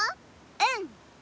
うん！